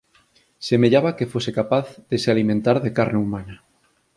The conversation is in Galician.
Semellaba que fose capaz de se alimentar de carne humana.